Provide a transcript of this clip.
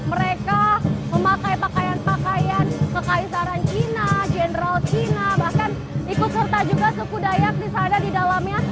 mereka memakai pakaian pakaian kekaisaran cina general china bahkan ikut serta juga suku dayak di sana di dalamnya